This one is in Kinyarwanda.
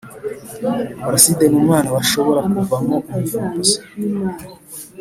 Paraside numwana washobora kuva mo umuvumbuzi